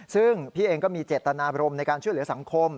ซึ่งพี่เองก็มีเจตนาบรมในการช่วยเหลือสังคม